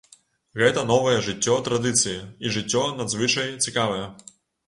Гэта новае жыццё традыцыі, і жыццё надзвычай цікавае.